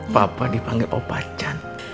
papa dipanggil opacan